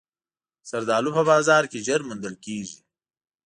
زردالو په بازار کې ژر موندل کېږي.